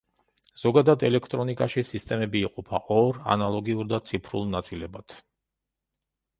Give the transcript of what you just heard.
ზოგადად, ელექტრონიკაში სისტემები იყოფა ორ, ანალოგიურ და ციფრულ ნაწილებად.